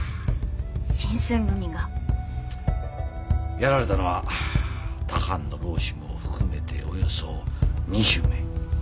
やられたのは他藩の浪士も含めておよそ２０名。